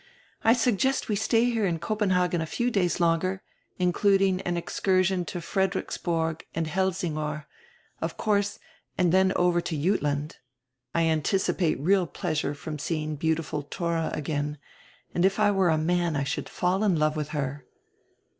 I suggest we stay here in Copenhagen a few days longer, including an excursion to Fredericksborg and Helsingor, of course, and then go over to Jutland. I anticipate real pleasure from seeing beautiful Thora again, and if I were a man I should fall in love with her."